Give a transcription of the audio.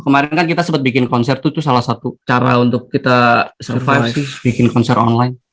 kemarin kan kita sempat bikin konser itu salah satu cara untuk kita survive bikin konser online